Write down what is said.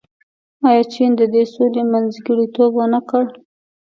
آیا چین د دې سولې منځګړیتوب ونه کړ؟